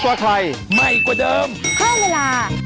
น้้ำน้้ำน้้ำ